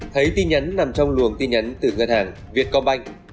thấy tin nhắn nằm trong luồng tin nhắn từ ngân hàng vietcombank